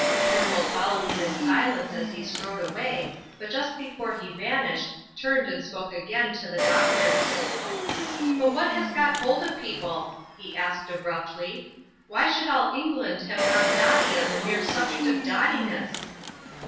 Turnbull followed him in silence as he strode away, but just before he vanished, turned and spoke again to the doctors. "But what has got hold of people?" he asked, abruptly. "Why should all England have gone dotty on the mere subject of dottiness?"